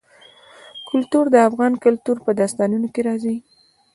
کلتور د افغان کلتور په داستانونو کې راځي.